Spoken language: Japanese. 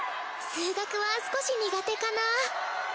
数学は少し苦手かなぁ。